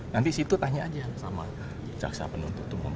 nanti situ tanya aja sama jaksa penuntut umum